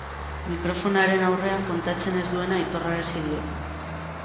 Mikrofonoaren aurrean kontatzen ez duena aitorrarazi diogu.